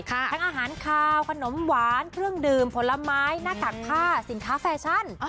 ทั้งอาหารคาวขนมหวานเครื่องดื่มผลไม้หน้ากากผ้าสินค้าแฟชั่น